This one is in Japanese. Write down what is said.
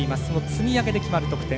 積み上げで決まる得点。